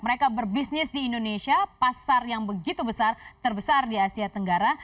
mereka berbisnis di indonesia pasar yang begitu besar terbesar di asia tenggara